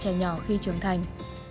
trẻ trẻ nhỏ khi trưởng thành